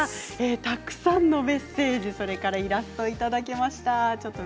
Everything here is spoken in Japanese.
たくさんのメッセージ、それからイラストをいただきました。